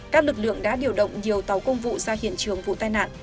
các lực lượng đã điều động nhiều tàu công vụ ra hiện trường vụ tai nạn